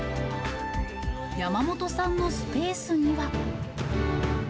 山本さんのスペースには。